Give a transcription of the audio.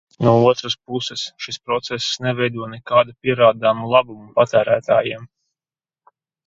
No otras puses, šis process neveido nekādu pierādāmu labumu patērētājiem.